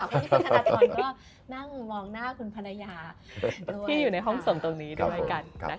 พี่ธนทรก็นั่งมองหน้าคุณภรรยาที่อยู่ในห้องส่งตรงนี้ด้วยกัน